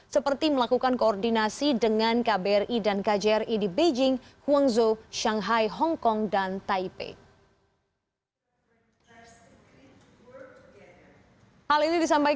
seperti melakukan koordinasi dengan kbri dan kjri di beijing guangzhou shanghai hongkong dan taipei